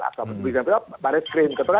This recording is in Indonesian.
atau pt densus pt raskrim